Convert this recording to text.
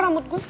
rambut lo tuh